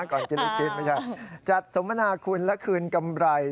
ก่อนกินลูกชิ้นไม่ใช่จัดสมนาคุณและคืนกำไร